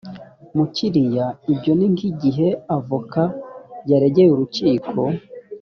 mukiriya ibyo ni nk igihe avoka yaregeye urukiko